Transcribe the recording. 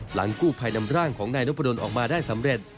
หลังกู้ภัยนำร่างของนายนพดลออกมาได้สำเร็จ